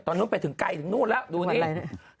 นู้นไปถึงไกลถึงนู่นแล้วดูนี่